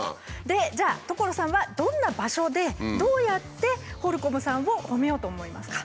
じゃあ所さんはどんな場所でどうやってホルコムさんをほめようと思いますか？